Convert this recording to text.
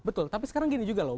betul tapi sekarang gini juga loh